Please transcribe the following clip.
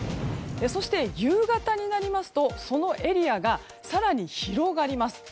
そして夕方になりますとそのエリアが更に広がります。